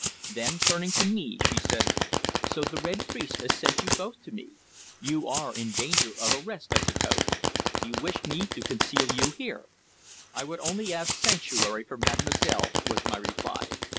Then, turning to me, she said: "So the Red Priest has sent you both to me! You are in danger of arrest, I suppose you wish me to conceal you here?" "I would only ask sanctuary for Mademoiselle," was my reply.